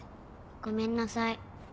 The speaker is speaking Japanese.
ごめんなさい。